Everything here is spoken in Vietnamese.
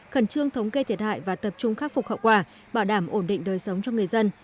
khẩn trương thống kê thiệt hại và tập trung khắc phục hậu quả bảo đảm ổn định đời sống cho người dân